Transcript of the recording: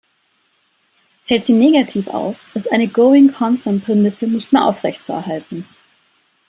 Fällt sie negativ aus, ist eine going concern-Prämisse nicht mehr aufrechtzuerhalten.